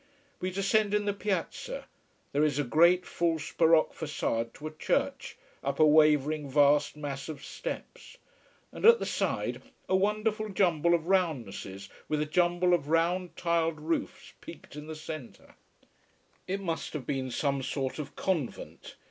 We descend in piazza. There is a great, false baroque façade to a church, up a wavering vast mass of steps: and at the side a wonderful jumble of roundnesses with a jumble of round tiled roofs, peaked in the centre. It must have been some sort of convent.